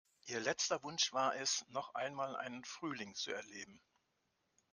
Ihr letzter Wunsch war es, noch einmal einen Frühling zu erleben.